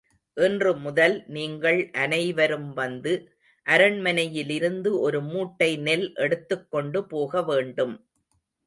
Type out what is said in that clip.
இன்று முதல் நீங்கள் அனைவரும் வந்து, அரண்மனையிலிருந்து ஒரு மூட்டை நெல் எடுத்துக் கொண்டுபோக வேண்டும்.